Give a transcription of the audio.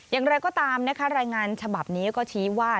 อย่างไรก็ตามนะคะรายงานฉบับนี้ก็ชี้ว่า